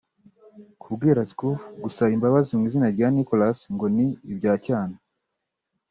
Kubwira Schoof gusaba imbabazi mu izina rya Nicholas ngo ni “ibya cyana”